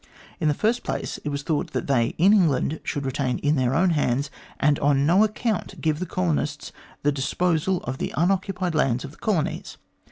In the first place, it was thought that they in England should retain in their own hands, and on no account give the colonists the disposal of the unoccupied lands of the colonies.